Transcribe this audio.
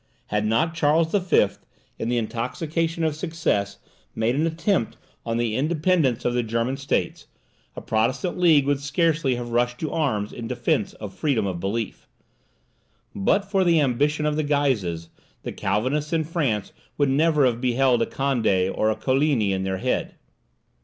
Had not Charles the Fifth, in the intoxication of success, made an attempt on the independence of the German States, a Protestant league would scarcely have rushed to arms in defence of freedom of belief; but for the ambition of the Guises, the Calvinists in France would never have beheld a Conde or a Coligny at their head.